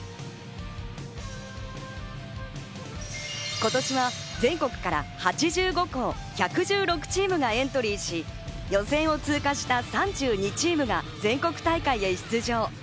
今年は全国から８５校、１１６チームがエントリーし、予選を通過した３２チームが全国大会へ出場。